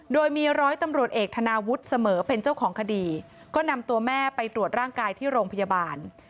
โดยมีร้อยตำรวจเอกธนาวุฒิเสมอเป็นเจ้าของคดีก็นำตัวแม่ไปตรวจร่างกายที่โรงพยาบาล